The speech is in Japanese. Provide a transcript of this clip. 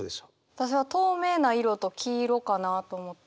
私は透明な色と黄色かなと思って。